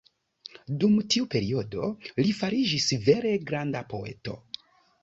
Dum tiu periodo li fariĝis vere granda poeto.